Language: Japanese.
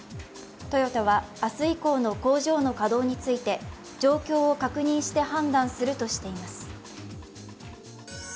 トヨタは明日以降の工場の稼働について状況を確認して判断するとしています。